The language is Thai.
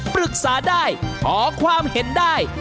ปรึกษาได้ขอความเห็นได้